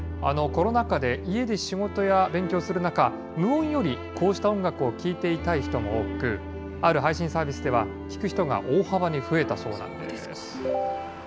コロナ禍で家で仕事や勉強する中、無音より、こうした音楽を聴いていたい人も多く、ある配信サービスでは聴く人が大幅に増えたそうなんです。